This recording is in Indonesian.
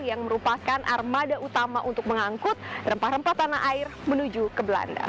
yang merupakan armada utama untuk mengangkut rempah rempah tanah air menuju ke belanda